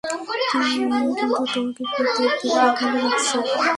কিন্তু তোমাকে ফিরতে দেখে ভালো লাগছে।